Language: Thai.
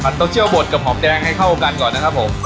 ปัดเตาเจแย่วบดกับหอมแดงให้เข้ากันก่อนนะครับผม